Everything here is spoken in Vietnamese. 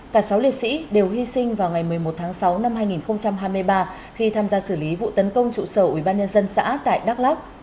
cả sáu liệt sĩ đều hy sinh vào ngày một mươi một tháng sáu năm hai nghìn hai mươi ba khi tham gia xử lý vụ tấn công trụ sở ủy ban nhân dân xã tại đắk lắk